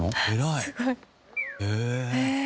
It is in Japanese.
へえ。